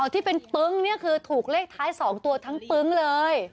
ที่เป็นปึ๊งนี่คือถูกเลขท้าย๒ตัวทั้งปึ๊งเลย